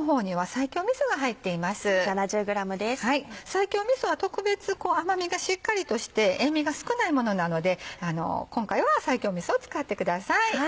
西京みそは特別甘みがしっかりとして塩みが少ないものなので今回は西京みそを使ってください。